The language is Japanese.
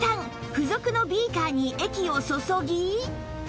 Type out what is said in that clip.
付属のビーカーに液を注ぎ